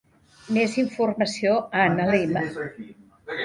Més informació a analema.